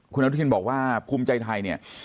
คุณอนุทินบอกว่าภูมิใจไทยเนี่ย